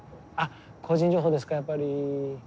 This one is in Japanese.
あ個人情報ですかやっぱり。